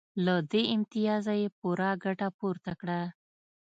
له دې امتیازه یې پوره ګټه پورته کړه